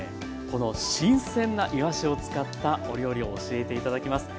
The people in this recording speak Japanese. この新鮮ないわしを使ったお料理を教えて頂きます。